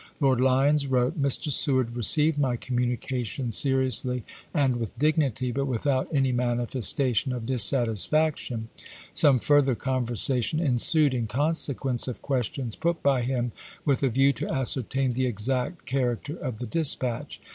Lord Lyons wrote : Mr. Seward received my communication seriously and with dignity, but without any manifestation of dissatis faction. Some further conversation ensued in conse quence of questions put by him with a view to ascertain the exact character of the dispatch.